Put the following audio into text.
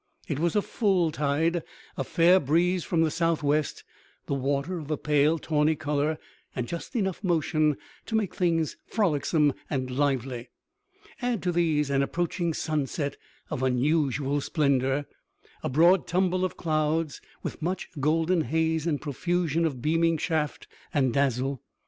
It was full tide, a fair breeze from the southwest, the water of a pale tawny color, and just enough motion to make things frolicsome and lively. Add to these an approaching sunset of unusual splendor, a broad tumble of clouds, with much golden haze and profusion of beaming shaft and dazzle.